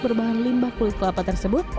berbahan limbah kulit kelapa tersebut